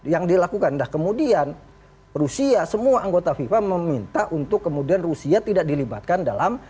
yang dilakukan nah kemudian rusia semua anggota fifa meminta untuk kemudian rusia tidak dilibatkan dalam